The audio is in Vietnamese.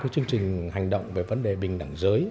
chương trình hành động về vấn đề bình đẳng giới